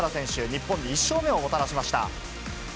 日本に１勝目をもたらしました。